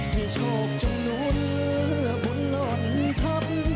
ให้โชคจงหลุนบุญร่วนธรรม